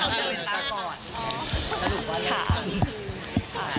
สรุปก็เลย